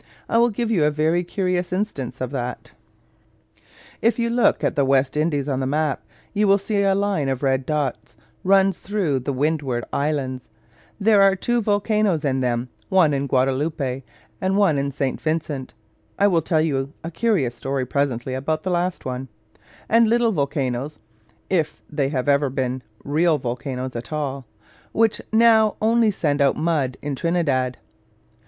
I will give you a very curious instance of that. If you look at the West Indies on the map, you will see a line of red dots runs through the Windward Islands: there are two volcanos in them, one in Guadaloupe, and one in St. Vincent (I will tell you a curious story, presently, about that last), and little volcanos (if they have ever been real volcanos at all), which now only send out mud, in Trinidad.